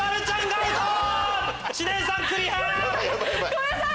ごめんなさい！